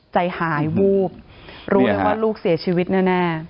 ใจหายวูบรู้เลยว่าลูกเสียชีวิตแน่